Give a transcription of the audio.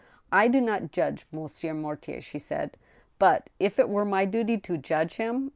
" I do not judge Monsieur Mortier," she said, " but, if it were my duty to judge him.